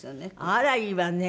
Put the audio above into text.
あらいいわね。